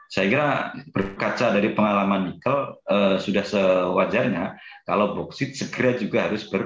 saya kira berkaca dari pengalaman nikel sudah sewajarnya kalau boksit segera juga harus berpen